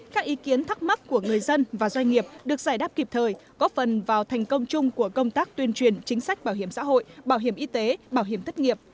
các ý kiến thắc mắc của người dân và doanh nghiệp được giải đáp kịp thời góp phần vào thành công chung của công tác tuyên truyền chính sách bảo hiểm xã hội bảo hiểm y tế bảo hiểm thất nghiệp